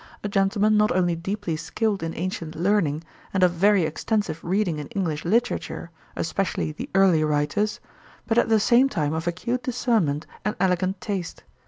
a gentleman not only deeply skilled in ancient learning, and of very extensive reading in English literature, especially the early writers, but at the same time of acute discernment and elegant taste.